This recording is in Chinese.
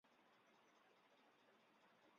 我女友走路上限是两小时